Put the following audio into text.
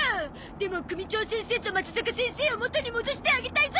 でも組長先生とまつざか先生を元に戻してあげたいゾ！